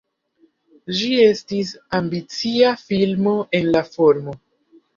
Ĝi estis ambicia filmo en la formo.